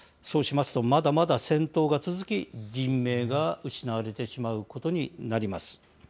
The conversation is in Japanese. そうしますと、まだまだ戦闘が続き、人命が失われてしまうことになります。